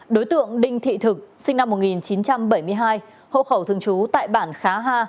đối tượng đinh thị thực sinh năm một nghìn chín trăm bảy mươi hai hộ khẩu thường trú tại bản khá ha